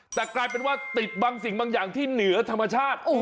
แต่กลายเป็นว่าติดบางสิ่งบางอย่างที่เหนือธรรมชาติ